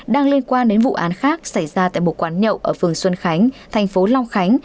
đang liên quan đến vụ án khác xảy ra tại một quán nhậu ở phường xuân khánh thành phố long khánh